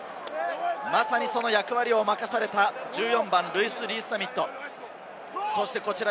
まさにその役割を任された１４番、ルイス・リース＝ザミット。